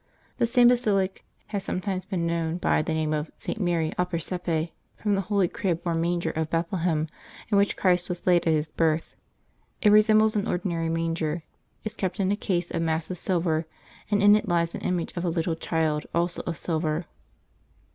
The same Basilic has sometimes been known by the name of St. Mary ad Prcesepe, from the holy crib or manger of Bethlehem, in which Christ was laid at His birth. It resembles an ordinary manger, is kept in a case of massive silver, and in it lies an image of a little child, also of silver.